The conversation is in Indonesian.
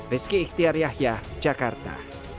rizky iktiar yahya jakarta